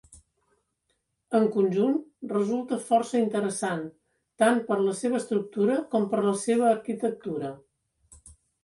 En conjunt, resulta força interessant tant per la seva estructura com per la seva arquitectura.